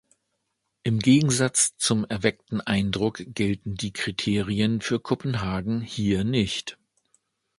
Im Gegensatz zum erweckten Eindruck gelten die Kriterien für Kopenhagen hier nicht.